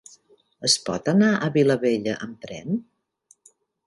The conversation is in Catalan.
Es pot anar a la Vilavella amb tren?